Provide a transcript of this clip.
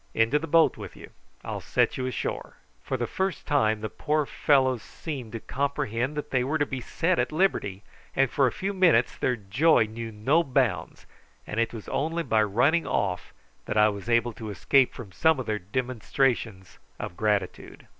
Into the boat with you. I'll set you ashore." For the first time the poor fellows seemed to comprehend that they were to be set at liberty, and for a few minutes their joy knew no bounds; and it was only by running off that I was able to escape from some of their demonstrations of gratitude.